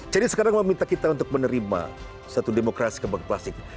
sekarang meminta kita untuk menerima satu demokrasi kembang plastik